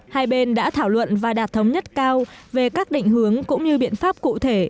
hai bên đã thảo luận và đạt thống nhất cao về các định hướng cũng như biện pháp cụ thể